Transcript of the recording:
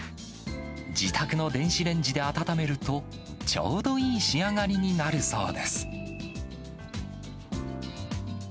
自宅の電子レンジで温めると、ちょうどいい仕上がりになるそうです。